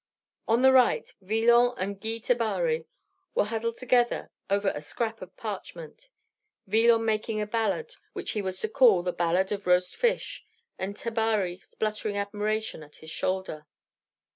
On the right, Villon and Guy Tabary were huddled together over a scrap of parchment; Villon making a ballade which he was to call the Ballade of Roast Fish, and Tabary spluttering admiration at his shoulder.